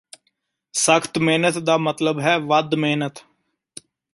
ਸਖ਼ਤ ਮਿਹਨਤ ਦਾ ਮਤਲਬ ਹੈ ਵੱਧ ਮਿਹਨਤ